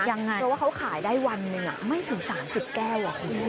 เพราะว่าเขาขายได้วันหนึ่งไม่ถึง๓๐แก้วคุณ